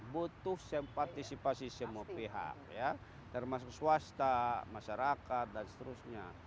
butuh partisipasi semua pihak termasuk swasta masyarakat dan seterusnya